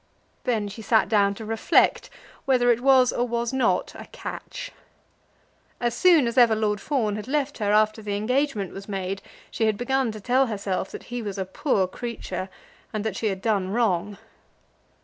Then she sat down to reflect whether it was or was not a catch. As soon as ever Lord Fawn had left her after the engagement was made, she had begun to tell herself that he was a poor creature, and that she had done wrong.